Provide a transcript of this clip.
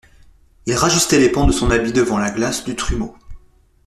Il rajustait les pans de son habit devant la glace du trumeau.